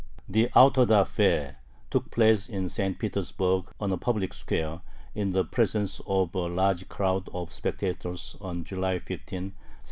The auto da fé took place in St. Petersburg, on a public square, in the presence of a large crowd of spectators, on July 15, 1738.